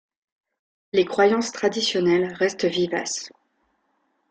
Les croyances traditionnelles restent vivaces.